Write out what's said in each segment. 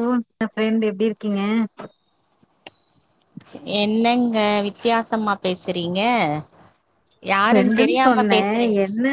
ஓ எ friend எப்டி இருக்கீங்க என்னங்க வித்தியாசமா பேசுறீங்க யாருன்னு ஃப்ரெண்டுன்னு தெரியாம சொன்னே பேசுறிங் என்ன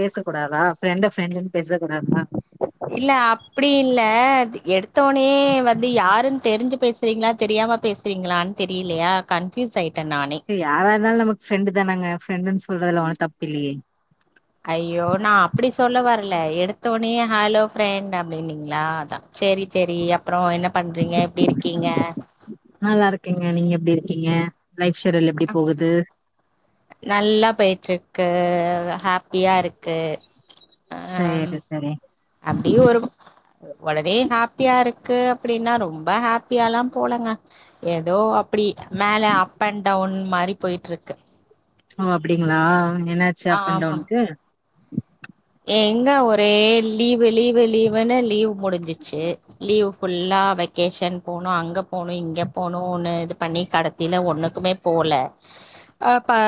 பேசக்க கூடாதா ஃப்ரெண்ட ஃப்ரெண்டுன்னு பேச கூடாதா இல்ல அப்டி இல்ல எடுத்தோனயே வந்து யாருன்னு தெரிஞ்சு பேசு சேரிங்களா தெரியாம பேசுறீங்களான்னு தெரியலையா கன்ஃபயூஸ் ஆயிட்ட நானே இப்ப யாரா இருந்தாலு நமக்கு ஃப்ரெண்டு தானங்க ஃபரென்னு சொல்றதுல ஒன்னு தப்பு இல்லையே ஐயோ நா அப்டி சொல்ல வரல எடுத்தோனே ஹலோ பிரெண்ட் அப்டின்னீங்களா அதா சேரி சேரி அப்ரோ என்ன பண்றீங்க எப்டி இருக்கீங்க நல்லா இருக்கேங்க நீங்க எப்டி இருக்கீங்க லைப் ஷெடுல் எப்டி போகுது நல்லா போய்ட்டுருக்கு ஹாப்பியா இருக்கு சேரி செரி அப்டியு ஒரு ஒடனே ஹாப்பியா இருக்கு அப்டின்னா ரொம்ப ஹாப்பியால்லா போலங்க ஏதோ அப்டி மேல அப் அண்ட் டவுன் மாரி போய்ட்டு இருக்கு ஓ அப்டிங்களா என்னாச்சு அப் அண்ட் ஆமாம் டவுனுக்கு எங்க ஒரே லீவு லீவு லீவுனு லீவ் முடிஞ்சிச்சு லீவ் ஃபுல்லா வெக்கேஷன் போணு அங்க போணு இங்க போணுன்னு இது பண்ணி கடைசியில ஒண்ணுக்குமே போல ஆப்பே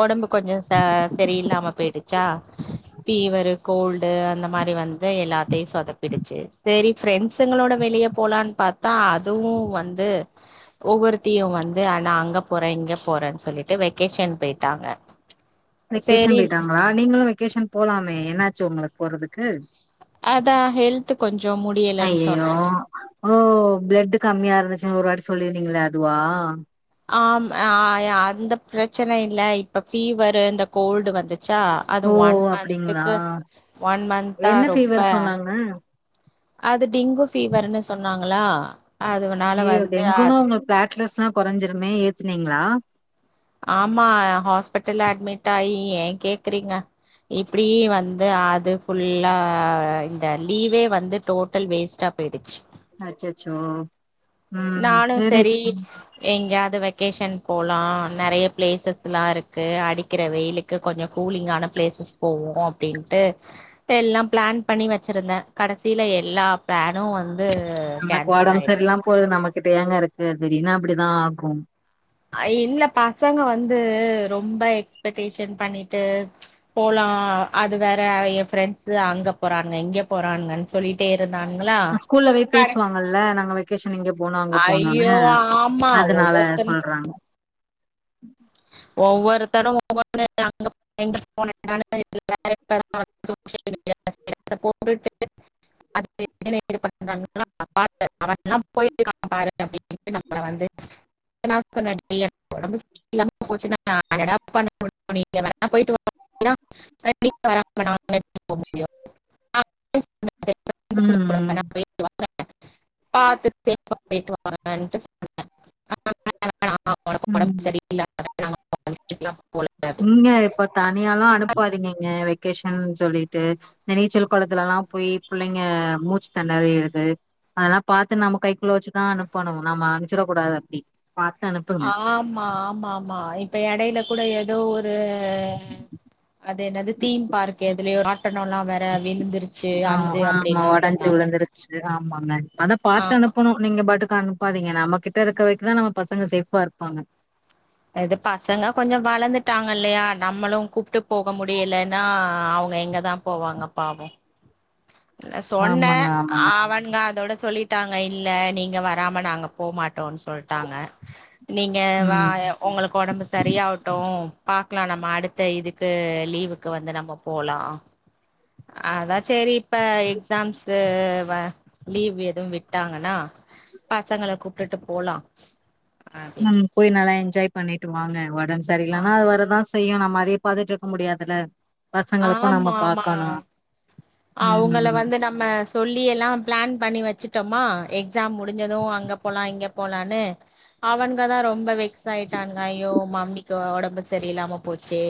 ஒடம்புக்கு கொஞ்ச ச சரியில்லாம போயிடுச்சா இவரு கோல்டு அந்த மாரி வந்து எல்லாத்தயு சொதப்பிடுச்சு சரி பிரெண்ட்ஸங்களோட வெளியே போலான் பாத்தா அதுவு வந்து ஒவ்வொருத்தியு வந்து ஆனா அங்க போறே இங்க போறேன்னு சொல்லிட்டு வெக்கேஷன் போயிட்டாக [inaudible] வெக்கேஷன் போயிட்டாங்களா நீங்களும் வெக்கேஷன் போலாமே என்னாச்சு உங்களுக்கு போறதுக்கு அதா ஹெல்த் ஹெல்த்கொஞ்சொ முடி அய்யய்யோ ஓ பிளட்டு கம்மியா இருந்துச்சு ஒரு வாட்டி சொல்லிருந்தீங்களே அதுவா ஆம் ஆ அந்த பிரச்சன இல்ல இப்ப ஃபீவரு இந்த கோல்டு வந்துச்சா அது ஓ ஒன் அப்டிங்களா மந்த்துக்கு ஒன் மந்த்தா என்ன ரொம்ப ஃபீவர் சொன்னாங்க அது டிங்கு ஃபீவர்ன்னு சொன்னாங்களா அதுனால அய்யய்யோ வந்து டெங்குனா அது உங்க பிளாட்லஸ்ல்லா கொரஞ்சுடுமே ஏத்துனீங்களா ஆமா ஹாஸ்பிட்டல்ல அட்மிட் ஆயி ஏ கேக்குறீங்க இப்டி வந்து அது ஃபுல்லா இந்த லீவே வந்து டோட்டல் வேஸ்டா போய்டிச்சு அச்சச்சோ ம் நானு சேரி செரி ம் எங்கேயாவது வெக்கேஷன் போலா நெறைய பிளேசஸ்ல்லா இருக்கு அடிக்கிற வெயிலு க்கு கொஞ்சோ கூலிங்கான பிளேசஸ் போவோ அப்டின்ட்டு எல்லா பிளான் பண்ணி வச்சிருந்தே கடைசியில எல்லா பிளானு வந்து கேன்சல் ஆயிடுச்சு கிட்டயாங்க இருக்கு திடீர்னு அப்டித்தா ஆகு அ இல்ல பசங்க வந்து ரொம்ப எக்ஸ்பெக்டேஷன் பண்ணிட்டு போலா அது வேற எ ஃப்ரெண்ட்ஸ் அங்க போறாங்க இங்க போறானங்கன்னு சொல்லிட்டே இருந்தான்ங்களா ல நாங்க வெக்கேஷன் இங்க போனோ அங்க போனோனு ஆமா அதனால ஒவ்வொருத்தனு சொல்றாங்க ஒவ்வொருத்தனு ஒவ்வொ [inaudible] எங்க போன [inaudible] அது என்ன இது [inaudible] போய்ட்டுக்காம் பாரு அப்டின்ட்டு நம்ம சொல்ல வந்து சொன்ன இல்லாம போச்சுன்னா நட என்டா பண்ண நீங்க வேனா போயிட்டு வன்தினா நீங்க வராமா நாங்க எப்டி போ முடியும் நா ம், [unintelligible] பேய்ட்டு வந்த பாத்து செஃப் அ பொய்ட்டு வாங்கட்டு ம் இல்ல கதட்டு நாங்கோ இல்ல போல இங்க இப்ப தனியாலாம் அனுப்பாதீங்க இங்க வெக்கேஷன் னு சொல்லிட்டு நெச்சல் கொளத்துல எல்லாம் போய் பிள்ளைங்க மூச்சு தினரிறுது அதெல்லா பாத்து நம்ம கைக்குள்ள வச்சுதான் அனுப்பனும் நம்ம அமிச்சிரா கூடாது அப்டி பாத்து அனுப் ஆமா ஆமா ஆமா இப்ப எடையில கூட ஏதோ ஒரு அது என்னது தீம் பார்க் எதுலயோ ராட்டணம் எல்லா வே ஆ ஆமா ஒடஞ்சு சொன்னாங்க விழுந்துடுச்சு ஆமாங்க அதான் பாத்து ஆமா அனுப்பனு நீங்க பாட்டுக்கு அனுப்பாதீங்க நம்ம கிட்ட இருக்கிற வரைக்குதான் நம்ம பசங்க சேஃபா இருப்பாங்க இது பசங்க கொஞ்ச வளர்ந்துட்டாங்க இல்லயா நம்மளும் கூப்ட்டு போக முடியலன்னா அவங்க எங்கதான் போவாங்க பாவம் இல்ல சொன்னே ஆமாங்க, ஆமாங்க. அவனுங்க அதோட சொல்லிட்டாங்க இல்ல நீங்க வராம நாங்க போமாட்டோன்னு சொல்ட்டாங்க நீங்க வா ம். உங்களுக்கு உடம்பு சரியாட்டும் பாக்கலாம் நம்ம அடுத்த இதுக்கு லீவுக்கு வந்து நம்ம போலாம் அதான் செரி இப்ப எக்ஸாம்ஸ் வ லீவ் எதுவும் விட்டாங்கன்னா பசங்கள கூப்பிட்டுட்டு போலாம் அப்படி ம் போய் நல்லா என்ஜாய் பண்ணிட்டு வாங்க ஒடம்ப ஆ, செரியில்லனா அது வரதான் செய் செய்யும் நம்ம அதே பாத்தட்டு இருக்க முடியாதுல பசங்களுக்கும் நம்ம பாக்கணு ஆ அவங்கள வந்து நம் நம்ம சொல்லி எல்லாம் பிளான் பண்ணி வெச்சட்டோமா எக்ஸாம் முடிஞ்சதும் அங்க போலாம் இங்க போலான்னு அவன்ங்க தான் ரொம்ப வெக்ஸாயிட்டானங்க ஐயோ மம்மிக்கு ஒடம்பு சரியில்லாம போச்சு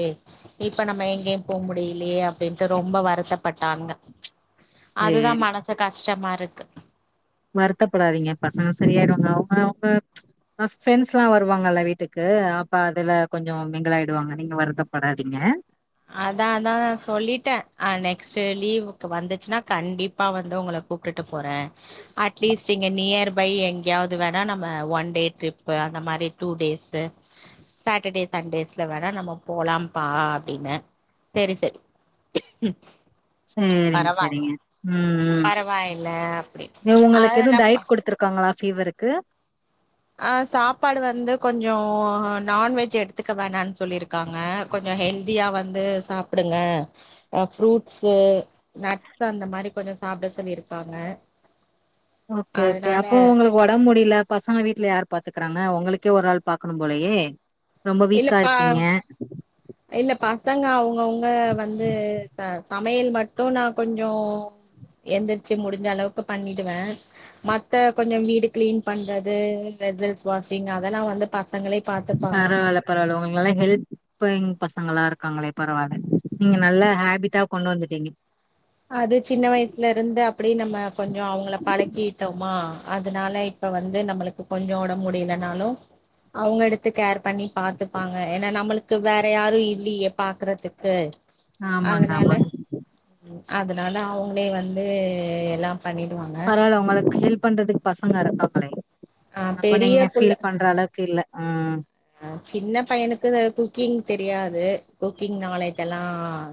இப்ப நம்ம எங்கேயும் போ முடியலையே அப்டின்ட்டு ரொம்ப வருத்தப்பட் டங்க அதுதான் சேரி. மனசு கஷ்டமா இர்க்கு வருத்தப்படாதீங்க பசங்க செரியாயிடுவாங்க அவங்க அவங்க ஃப்ரெண்ட்ஸ் லா வருவாங்கல்ல வீட்டுக்கு அப்ப அதுல கொஞ்சம் மிங்கலாயிடுவாங்க நீங்க வருதப்படாதீங்க அதான் அதான் சொல்லிட்டேன் நெக்ஸ்ட் லீவ் வந்துச்சுன்னா கண்டிப் பா வந்து உங்கள கூப்ட்டுட்டு போறேன் அட்லீஸ்ட் இங்க நியர் பை எங்கயாவது வேணா நம்ம ஒன் டே ட்ரிப் அந்த மாரி டு டேஸ் சாட்டர்டே சண்டேஸ்ல வேணா நம்ம போலாம்ப்பா அப்டினே சேரி சேரி சேரிங்க சேரிங்க ம் பரவாயில்ல அப்டின்னு இவங்களுக்கு எதுவும் அதெல்லா டயட் கொடுத்திரு க்கங்களா ஃபீவருக்கு ஆ சாப்பாடு வந்து கொஞ்சோ நான்வெஜ் எடுத்துக்க வேணான்னு சொல்லியிருக்காங்க கொஞ்ச ஹெல்தியா வந்து சாப்டுங்க அ ஃப்ரூட்ஸ் நட்ஸ் அந்த மாரி கொஞ்ச சாப்பிட சொல்லியிருக்காங்க ஓகே ஓகே அதனால அப்போ உங்களுக்கு ஒடம் முடியல பசங்க வீட்ல யாரு பாத்துக்கறாங்க உங்களுக்கே ஒரு ஆள் பாக்கணும் போலயே ரொம்ப வீக்கா இல்லப்பா இருக்கீங்க. இல்ல பசங்க அவுங்க அவுங்க வந்து சாப் சமையல் மட்டும் நான் கொஞ்சோ எந்திரிச்சு முடிஞ்ச அளவுக்கு பண்ணிடுவேன் மத்த கொஞ்சோ வீடு க்ளீன் பண்றது வெசல்ஸ் வாஷிங் அதெல்லா வந்து ப பசங்களே பாத்துப்பாங்க பரவால்ல, பரவால்ல உங்களுக்கெல்லா ஹெல்பிங் பசங்களா இருக்காங்களே பரவால்ல நீங்க நல்ல ஹாபிட்டா கொண்டு வந்துட்டீங்க அது சின்ன வயசுல இருந்து அப்பிடி நம்ம கொஞ்சம் அவங்கள பழக்கிட்டோமா அதனால இப்ப வந்து நம்மளுக்கு கொஞ்சோ ஒடம்பு முடியலைனாலு அவங்க எடுத்து கேர் பண்ணி பாத்துப்பாங்க ஏனா நம்மளுக்கு வேற யாரு இல்லையே பாக்குறதுக்கு ஆமாங்க அதனால ஆமாங்க அதனால அவங்களே வந்து எல்லா பண்ணிடுவாங்க பரவால்ல உங்களுக்கு ஹெல்ப் பண்றதுக்கு பசங்க இருக்காங்களே ஆ அப்ப பெரிய நீங்க புள்ள ஃபீல் பண்ற அளவுக்கு இல்ல அ சின்ன பையனுக்கு குக்கிங் தெரியாது குக்கிங் நாலேஜ் எல்லா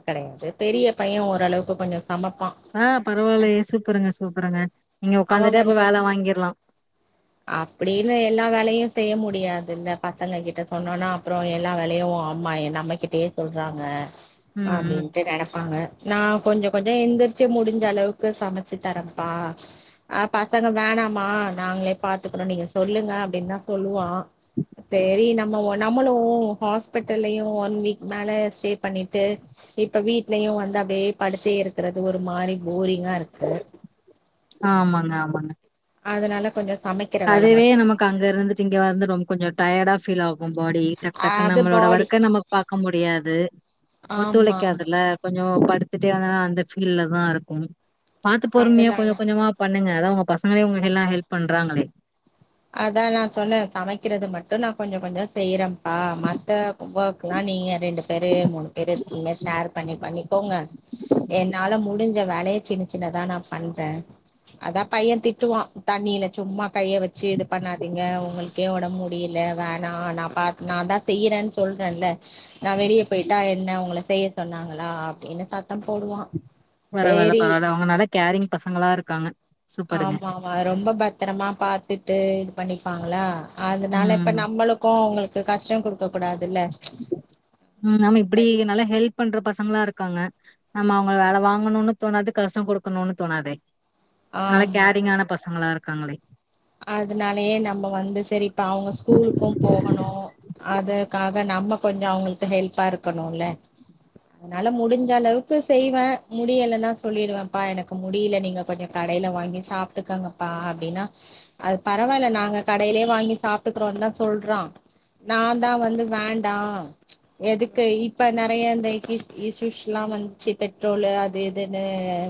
கெடையாது பெரிய பையே ஓரளவுக்கு கொஞ்சோ சமப்பா ஆ பரவால்லையே சூப்பருங்க சூப்பருங்க நீங்க அவ உக்காந்துட்டே அப்ப வந்து வேல வாங்கிர்லாம். அப்படின்னு எல்லா வேலையு செய்ய முடியாதுல்ல பசங்க கிட்ட சொன்னோனா அப்றோ எல்லா வேலையு அம்மா என்னா நம்மக்கிட்டே சொல்றாங்க ம், ம். அப்டின்ட்டு நெனப்பாங்க நா கொஞ்சோ கொஞ்சோ எந்திருச்சு முடிஞ்ச அளவுக்கு சமச்சு தரம்பா ஆ பசங்க வேணாமா நாங்களே பாத்துக்குறோ நீங்க சொல்லுங்க அப்டின்னு தா சொல்லுவா செரி நம்ம நம்மளு ஹாஸ்பிட்டல்லயு ஒன் வீக் மேல ஸ்டே பண்ணிட்டு இப்ப வீட்லயு வந்து அப்டியே படுத்தே இருக்கறது ஒரு மாரி போரிங்கா இருக்கு ஆமாங்க ஆமாங்க அதனால கொஞ்ச சமைக் அதுவே நமக்கு அங்க இருந்துட்டு இங்க வந்து ரொம்ப கொஞ்ச டயர்டா ஃபீல் ஆகு பாடி டக் டக்குனு அது நம்மளோட பாடி ஒர்க்க நம்ம பாக்க முடியாது ஆமா ஆமா ஒத்துழைக்காதுல கொஞ்சோ படுத்துட்டே வந்தனா அந்த ஃபீல்ல தா இருக்கு பாத்து பொறுமையா அதனால கொஞ்ச கொஞ்சமா பண்ணுங்க அதா உங்க பசங்களே உங்களுக்கு எல்லா ஹெல்ப் பண்றாங்களே அதா நா சொன்னே சமைக்கிறது மட்டு நா கொஞ்சோ கொஞ்சோ செய்யறே ஆ மத்தவொர்க்லா நீங்க ரெண்டு பேரு மூணு பேரு இருக்கீங்க ஷேர் பண்ணி பண்ணிக்கோங்க என்னால முடிஞ்ச வேலைய சின்ன சின்னதா நா பண்றே அதா பையே திட்டுவா தண்ணியில சும்மா கைய வச் சு இது பண்ணாதீங்க உங்களுக்கே ஒடம் முடியல வேணா நா பாத் நா தா செய்யறேன்னு சொல்றேல நா வெளியே போயிட்டா என்ன உங்கள செய்ய சொன்னாங்களா அப்டின்னு சத்தோ போடுவா பரவால்ல சேரி பரவால்ல அவுங்க நல்லா கேரிங் பசங்களா இருக்காங்க சூப்பருங்க. ஆமா ஆமா ரொம்ப பத்தரமா பாத்துட்டு இது பண்ணிப்பாங்களா அதுனால இப்ப ம். நம்மளு கு உங்களுக்கு கஷ்டோ குடுக் ககூடாது இல்ல ம் ஆமா இப்புடி நல்லா ஹெல்ப் ஒர்க் பண்ற பசங்களா இருக்காங்க நம்ம அவங்க வேல வாங்கணுன்னு தோணாது கஷ்டோ கொடுக்கணும்னு தோணாதே நல்லா ஆமா கேரிங்கான பசங்களா இருக்காங்களே அதனாலயே நம்ம வந்து செரி இப்ப அவுங்க ஸ்கூலுக்கு போகணு அதுக்காக நம்ம கொஞ்சோ அவங்களுக்கு ஹெல்பா இருக்கணுல்ல என்னால முடிஞ்ச அளவுக்கு செய்வே முடியலனா சொல்லிடுவே ப்பா எனக்கு முடியல நீங்க கொஞ்ச கடையில வாங்கி சாப்டுக்கங்கப்பா அப்டின்னா அது பரவால்ல நாங்க கடையிலயே வாங்கி சாப்ட்டுக்கிறோன்னு தா சொல்றா நா தா வந்து வேண்டா எதுக்கு இப்ப நறைய இந்த கிஸ் இஸ்யூஸ்ஸுல்லா வந்துச்சு பெட்ரோலு அது இதுன்னு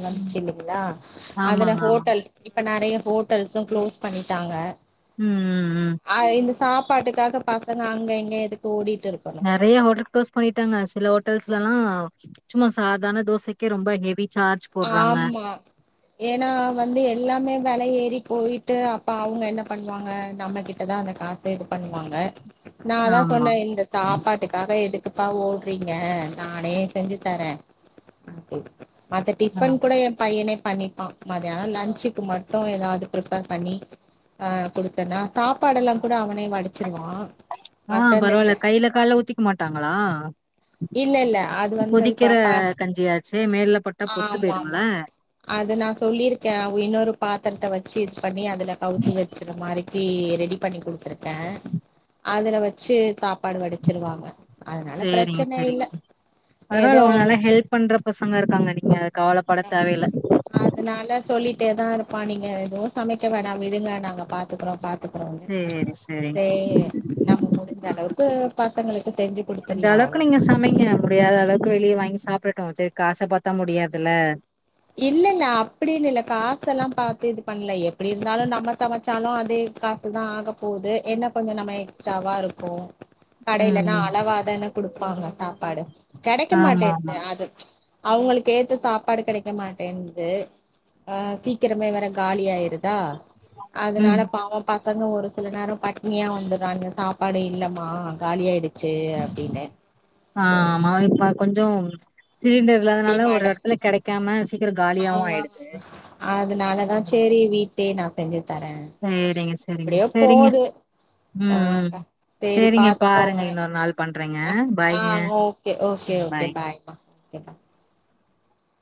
வந்துச்சி ம். இல்லைங்களா அதுல ஆமாங்க, ஆமா. ஹோட்டல் இப்ப நறைய ஹோட்டல்ஸு குளோஸ் பண்ணிட்டாங்க ம் ம், அ இந்த சாப்பாட்டுக்கா பசங்க அங்க எங்க எதுக்கு ஓடிட்டு இருக்கோ நெறைய ஹோட்டல் க்ளோஸ் பண்ணிட்டாங்க சில ஹோட்டல்ஸ்ஸுலலா சும்மா சாதாரண தோசைக்கே ரொம்ப ஹெவி சார்ஜ் போடுறாங்க. ஆமா ஏன்னா வந்து எல்லாமே வெல ஏறி போய்ட்டு அப்பா அவுங்க பண்ணுவாங்க நம்மகிட் டதா அந்த காச இது பண்ணுவாங்க நா அதா ஆமா. சொன்னே இந்த சாப்பாட்டுக்காக எதுக்குப்பா ஓடுறீங்க நானே செஞ்சு தரே [inaudible] மத்த ஆ. டிஃபன் கூட எ பையனே பண்ணிப்பா மதியானோ லன்சுக்கு மட்டு ஏதாவ்து ப்ரிப்பர் பண்ணி ஆ குடுத்தேனா சாப்பாடெல்லா கூட அவனே வடிச்சிருவா ஆ மத்த அந்த பரவாயில்ல கையில கால்ல ஊத்திக்க மாட்டாங்களா இல்ல இல்ல அது வந்து கா கொதிக்கிற பா கஞ்சியாச்சே! மேல பட்டா பொத்து ஆமா போயிடும்ல. ஆமா அது நா சொல்லியிருக்கே உ இன்னொரு பாத்திரத்த வச்சு இது பண்ணி அதுல கவுத்து வச்சற மாரி ப்பி ரெடி பண்ணி குடுத்துருக்கே அதுல வச்சு சாப்பாடு வடிச்சிருவாங்க அதனால ப்ரச் அதனால அவுங்க நல்லா ஹெல்ப் பண்ற பசங்க இருக்காங்க நீங்க அது கவலைப்பட அஹ், தேவையில்ல அதனால சொல்லிட்டே தா இருப்பா நீங்க எதுவு சமைக்க வேணா விடுங்க நாங்க பாத்துக்கறோ பாத் துக்குறோங்க சரி, சரிங்க. செரி நம்ம முடிஞ்ச அளவுக்கு பசங்களுக்கு செஞ்சு முடிஞ்சா குடுத்துடலா அளவுக்கு அவ்ளோதா நீங்க சமைக்க முடியாத அளவுக்கு வெளியே வாங்கி சாப்ட்டுட்டு செரி காச பாத்தா முடியாதுல இல்ல இல்ல அப்டின்னு இல்ல காசயெல்லா பாத்து இது பண்ல எப்டி இருந்தாலு நம்ம சமைச்சாலு அதே கா சு தா ஆகப்போது என்ன கொஞ்ச நம்ம எக்ஸ்ட்ராவா இருக்கு ம், கடையிலன்னா ம். அளவாதானே குடுப்பாங்க சாப்பாடு கெடைக்க ஆமா, மாட்டேது ஆமா. அது அவுங்களுக்கு ஏத்த சாப்பாடு கெடைக் க மாட்டேன்து ஆ சீக்கிரமே வேற காலி ஆயிருதா ம். அதனால பாவு பசங்க ஒரு சில நேரோ பட்னியா வந்துறாங்க சாப்பாடு இல்லமா காலியாடுச் சி அப்டின்னு ஆ செரி ஆமா இப்ப கொஞ்சோ சிலிண்டர் இல்லாதனால ஒரு எடத்துல கெடைக்காம சீக்கிர காலி ஆ அதனாலதா செரி வீட் டே நா செஞ்சு தரே சேரிங்க சேரிங்க எப்டியோ சேரிங்க போது ஆ ம் ம் அக்கா செரி சேரிங்க பாத்துக்கோங்க பாருங்க இன்னொரு நாள் பண்றேங்க அ ஆ பாய்ங்க okay okay okay bye ம்மா ஓகே பாய்